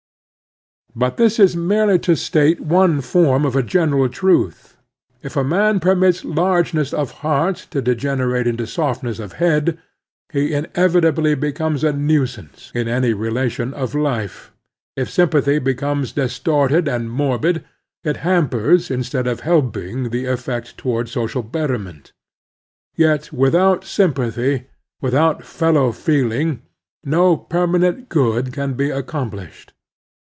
But this is merely to state one form of a general truth. If a man permits largeness of heart to 84 The Strenuous Life degenerate into softness of head, he inevitably beCbines'a ntdsance in any relation of life. J[f sympathy becomes distorted and morbid, it hampers instead xrf help i ng the~ effoix toward social betterment. Yet without sympathy, with out fellow feeling, no permanent good can be accomplished.